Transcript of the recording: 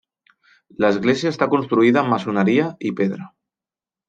L'església està construïda amb maçoneria i pedra.